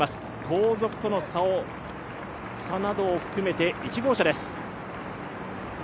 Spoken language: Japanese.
後続との差などを含めて１号車です